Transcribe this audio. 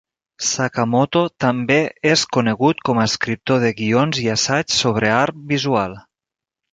Sakamoto també és conegut com a escriptor de guions i assaigs sobre art visual.